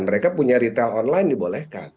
mereka punya retail online dibolehkan